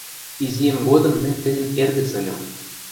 Изиэм годым мӹнь тӹньӹн «эргӹц» ыльым